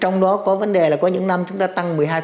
trong đó có vấn đề là có những năm chúng ta tăng một mươi hai